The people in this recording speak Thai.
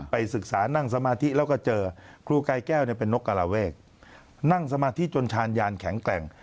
ศึกษานั่งสมาธิแล้วก็เจอครูกายแก้วเป็นนกกระลาเวกนั่งสมาธิจนชาญยานแข็งแกร่ง